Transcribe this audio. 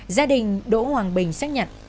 gia đình đỗ hoàng bình xác nhận